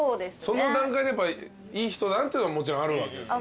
その段階でいい人だなっていうのはもちろんあるわけですもんね？